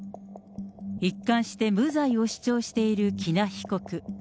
一貫して無罪を主張している喜納被告。